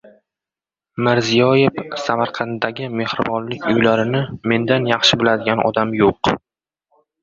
Mirziyoyev: "Samarqanddagi mehribonlik uylarini mendan yaxshi biladigan odam yo‘q"